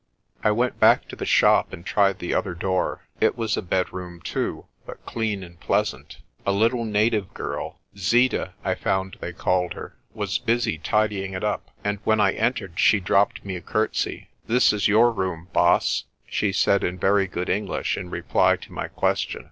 I went back to the shop and tried the other door. It was a bedroom too, but clean and pleasant. A little native girl 44 PRESTER JOHN Zeeta, I found they called her was busy tidying it up, and when I entered she dropped me a curtsy. "This is your room, Baas," she said in very good English in reply to my question.